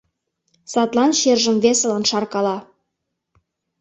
Садлан чержым весылан шаркала.